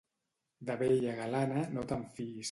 De vella galana, no te'n fiïs.